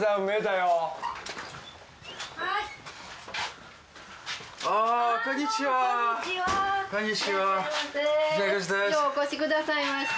ようお越しくださいました。